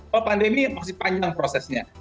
kalau pandemi masih panjang prosesnya